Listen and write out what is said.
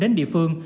đến địa phương